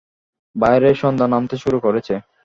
বাইরে সন্ধ্যা নামতে শুরু করেছে।